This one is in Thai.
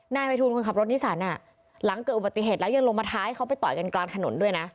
นายภัยทูลคนขับรถนิสันหลังเกิดอุบัติเหตุแล้วยังลงมาท้ายเขาไปต่อยกันกลางถนนด้วยนะ